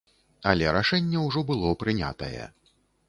Але рашэнне ўжо было прынятае.